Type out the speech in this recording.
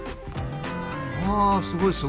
うわすごいすごい。